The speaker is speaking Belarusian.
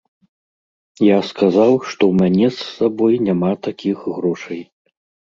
Я сказаў, што ў мяне з сабой няма такіх грошай.